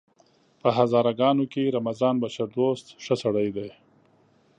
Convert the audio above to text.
په هزاره ګانو کې رمضان بشردوست ښه سړی دی!